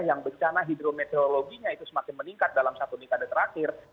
yang bencana hidrometeorologinya itu semakin meningkat dalam satu dekade terakhir